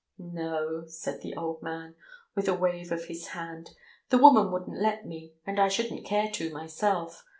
"No," said the old man, with a wave of his hand, "the woman wouldn't let me, and I shouldn't care to myself.